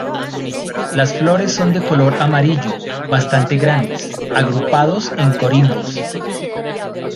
Las flores son de color amarillo, bastante grandes, agrupadas en corimbos.